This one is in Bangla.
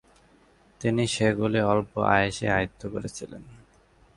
তিনি সেগুলি অল্প আয়াসেই আয়ত্ত করেছিলেন।